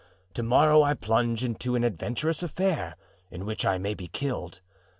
To morrow I plunge into an adventurous affair in which I may be killed.